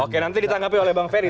oke nanti ditanggapi oleh bang ferry